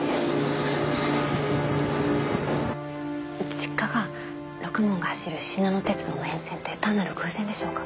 実家がろくもんが走るしなの鉄道の沿線って単なる偶然でしょうか？